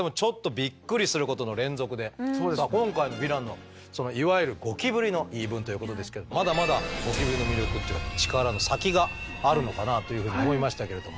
今回のヴィランのいわゆるゴキブリの言い分ということですけどまだまだゴキブリの魅力っていうか力の先があるのかなあというふうに思いましたけれども。